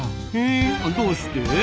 えどうして？